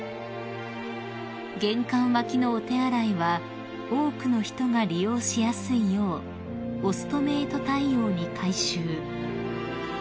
玄関脇のお手洗いは多くの人が利用しやすいようオストメイト対応に改修］